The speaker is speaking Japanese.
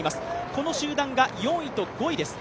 この集団が４位と５位です。